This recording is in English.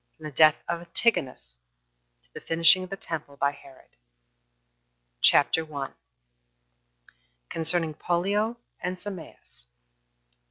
From The Death Of Antigonus To The Finishing Of The Temple By Herod. CHAPTER 1. Concerning Pollio And Sameas.